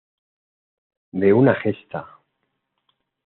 De una gesta.